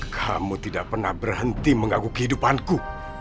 kamu tidak pernah berhenti menggaguh kehidupanku